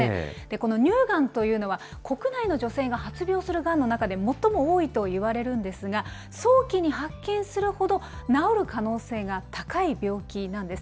この乳がんというのは、国内の女性が発病するがんの中で最も多いといわれるんですが、早期に発見するほど治る可能性が高い病気なんです。